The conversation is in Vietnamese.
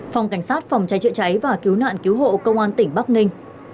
phòng cảnh sát phòng trái trợ cháy và cứu nạn cứu hộ công an tỉnh bắc ninh